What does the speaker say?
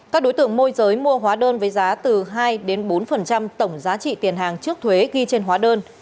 các đối tượng môi giới mua hóa đơn với giá từ hai bốn tổng giá trị tiền hàng trước thuế ghi trên hóa đơn